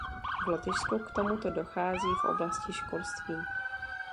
V Lotyšsku k tomuto dochází v oblasti školství.